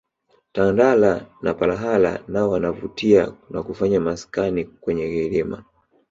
Tandala na palahala nao wanavutia na kufanya maskani kwenye vilima